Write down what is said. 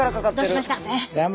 どうしました？